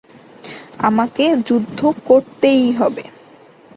আমাকে যুদ্ধ করতেই হবে।